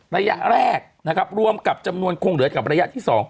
ระยะแรกนะครับรวมกับจำนวนคงเหลือกับระยะที่๒